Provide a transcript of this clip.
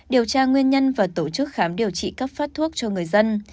điều tra nguyên nhân và tổ chức khám điều trị cấp phát thuốc cho người dân